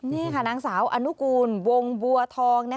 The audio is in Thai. นี่ค่ะนางสาวอนุกูลวงบัวทอง